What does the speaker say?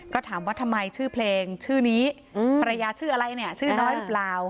ก็ถามว่าทำไมชื่อเพลงชื่อนี้ภรรยาชื่ออะไรเนี่ยชื่อน้อยหรือเปล่า